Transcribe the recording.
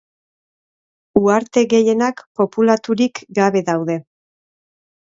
Uharte gehienak populaturik gabe daude.